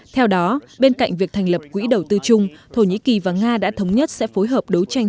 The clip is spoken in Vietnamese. theo đó bên cạnh việc thành lập quỹ đầu tư chung thổ nhĩ kỳ và nga đã thống nhất sẽ phối hợp đấu tranh